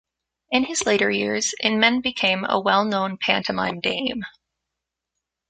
In his later years, Inman became a well known pantomime dame.